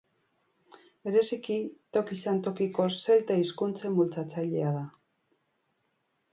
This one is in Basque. Bereziki tokian-tokiko zelta hizkuntzen bultzatzailea da.